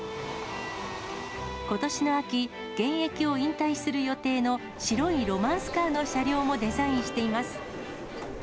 ことしの秋、現役を引退する予定の白いロマンスカーの車両もデザインしています。